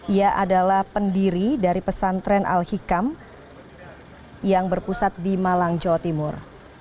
ia adalah pendiri dari pesantren al hikam yang berpusat di malang jawa timur